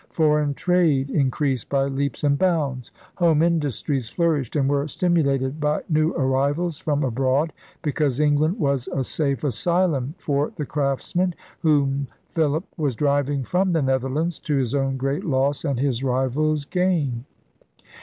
Foreign trade in creased by leaps and bounds. Home industries flourished and were stimulated by new arrivals from abroad, because England was a safe asylum for the craftsmen whom Philip was driving from the Netherlands, to his own great loss and his rival's gain.